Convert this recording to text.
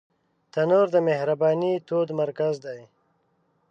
تنور د مهربانۍ تود مرکز دی